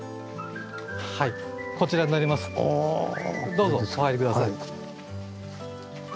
どうぞお入り下さい。